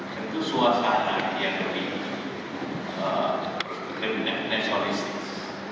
tentu suasana yang lebih lebih naturalistis